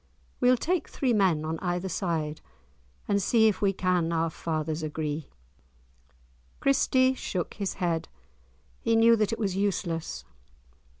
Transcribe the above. We'll take three men on either side, And see if we can our fathers agree." Christie shook his head. He knew that it was useless.